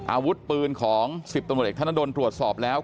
อาวุธปืนของ๑๐ตำรวจเอกธนดลตรวจสอบแล้ว